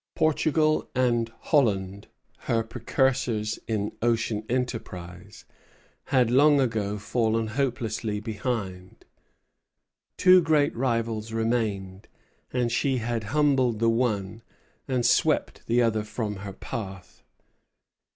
Portugal and Holland, her precursors in ocean enterprise, had long ago fallen hopelessly behind. Two great rivals remained, and she had humbled the one and swept the other from her path.